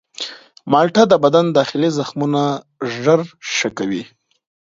مالټه د بدن داخلي زخمونه ژر ښه کوي.